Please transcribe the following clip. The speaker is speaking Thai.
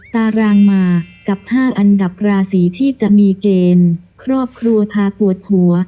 ตารางมากับ๕อันดับราศีที่จะมีเกณฑ์ครอบครัวพาปวดหัว